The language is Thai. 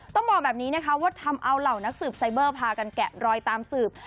ต้องบอกแบบนี้นะคะว่าทำเอาเหล่านักสืบไซเบอร์พากันแกะรอยตามสืบ